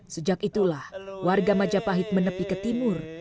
sejak itulah warga majapahit menepi ke timur